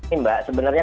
ini mbak sebenarnya